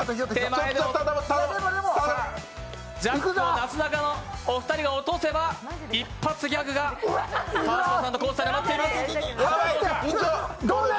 なすなかのお二人が落とせば一発ギャグが川島さんと高地さんには待っています。